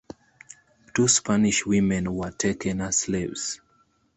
Two Spanish women were taken as slaves.